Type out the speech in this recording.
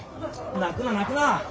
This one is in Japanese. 泣くな泣くな！